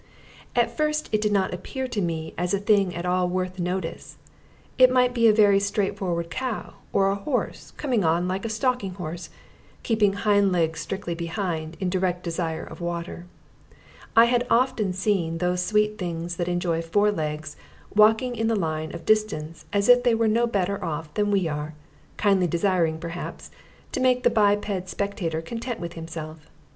At first it did not appear to me as a thing at all worth notice; it might be a very straightforward cow, or a horse, coming on like a stalking horse, keeping hind legs strictly behind, in direct desire of water. I had often seen those sweet things that enjoy four legs walking in the line of distance as if they were no better off than we are, kindly desiring, perhaps, to make the biped spectator content with himself.